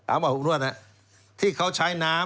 อาบอบนวดเนี่ยที่เขาใช้น้ำ